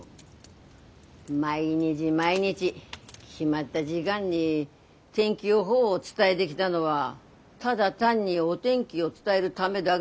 毎日毎日決まった時間に天気予報を伝えできたのはただ単にお天気を伝えるためだげじゃないでしょ？